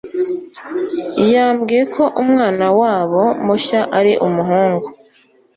yambwiye ko umwana wabo mushya ari umuhungu.